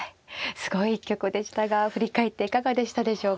すごい一局でしたが振り返っていかがでしたでしょうか。